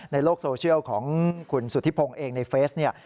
ในโลกโซเชียลของคุณสุธิพงศ์เองในเฟซเนี่ย